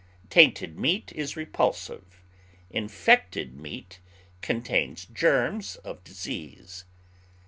Tainted meat is repulsive; infected meat contains germs of disease.